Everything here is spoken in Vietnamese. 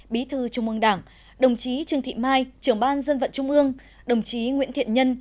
bí thư trung ương đảng đồng chí trương thị mai trưởng ban dân vận trung ương đồng chí nguyễn thiện nhân